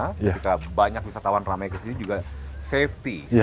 ketika banyak wisatawan ramai ke sini juga safety